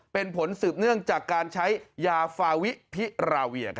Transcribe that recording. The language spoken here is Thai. เป็นผลสืบเนื่องจากการใช้ยาฟาวิพิราเวีย